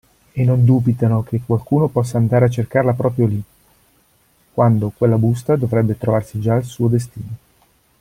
E non dubitano che qualcuno possa andare a cercarla proprio lí, quando quella busta dovrebbe trovarsi già al suo destino.